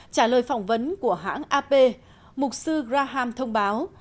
trả lời phỏng vấn của hãng ap mục sư graham thông báo